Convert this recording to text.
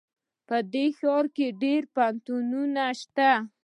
په دې ښار کې ډېر پوهنتونونه شته